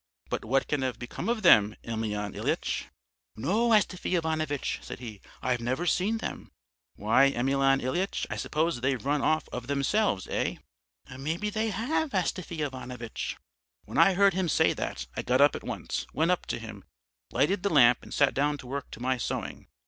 "'But what can have become of them, Emelyan Ilyitch?' "'No, Astafy Ivanovitch,' said he, 'I've never seen them.' "'Why, Emelyan Ilyitch, I suppose they've run off of themselves, eh?' "'Maybe they have, Astafy Ivanovitch.' "When I heard him say that, I got up at once, went up to him, lighted the lamp and sat down to work to my sewing.